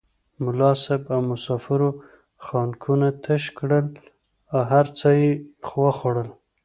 ملا صاحب او مسافرو خانکونه تش کړل هر څه یې وخوړل.